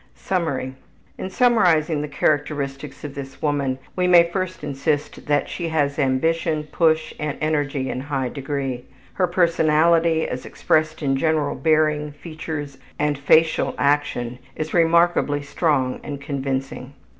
Summary: In summarizing the characteristics of this woman we may first insist that she has ambition, push, and energy in high degree. Her personality as expressed in general bearing, features, and facial action is remarkably strong and convincing.